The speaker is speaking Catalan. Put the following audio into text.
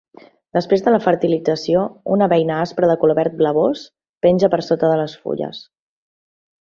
Després de la fertilització, una beina aspra de color verd-blavós penja per sota de les fulles.